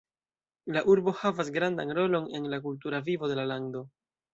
La urbo havas gravan rolon en la kultura vivo de la lando.